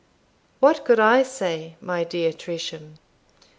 What could I say, my dear Tresham?